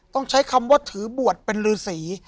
ต้องใช้คำว่าถือบวชเป็นฤษี